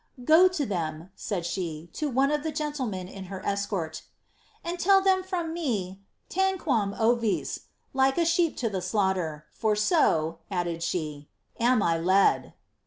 ^ Go to them," said she, to one of the gentlemen in her escort, and tell them from me ^ Tanquam ovU^ like a sheep to the slaughter, for so," added slie, ^ am I led."